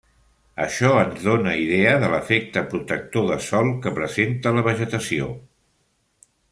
Això ens dóna idea de l'efecte protector de sòl que presenta la vegetació.